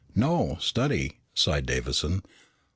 "No study," sighed Davison.